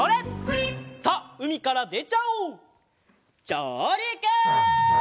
じょうりく！